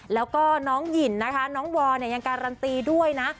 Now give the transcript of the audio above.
แล้วก็น้องหยินนะคะน้องวอร์เนี่ยยังการันตีด้วยนะ